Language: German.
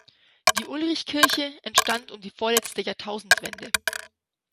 Die Ulrich-Kirche entstand um die vorletzte Jahrtausendwende.